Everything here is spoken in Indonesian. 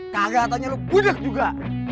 kagak tanya lo budek juga